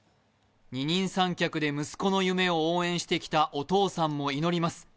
二人三脚で息子の夢を応援してきたお父さんも祈ります。